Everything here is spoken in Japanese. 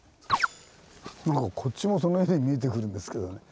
こっちもそのように見えてくるんですけどね。